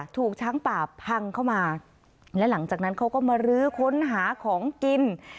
ถูกช้างป่าพังเข้ามาและหลังจากนั้นเขาก็มาลื้อค้นหาของกิน